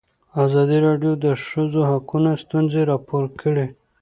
ازادي راډیو د د ښځو حقونه ستونزې راپور کړي.